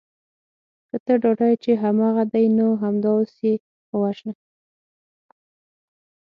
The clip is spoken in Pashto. که ته ډاډه یې چې هماغه دی نو همدا اوس یې ووژنه